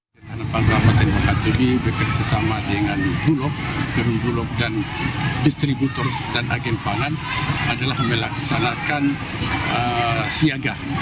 dan panggilan kabupaten wakatobi bekerjasama dengan bulog gerung bulog dan distributor dan agen pangan adalah melaksanakan siaga